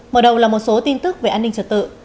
mở đầu là một số tin tức về an ninh trật tự